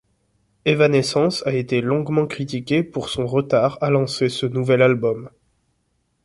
Evanescence a été longuement critiqué pour son retard à lancer ce nouvel album.